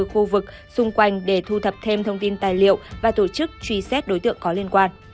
khu vực xung quanh để thu thập thêm thông tin tài liệu và tổ chức truy xét đối tượng có liên quan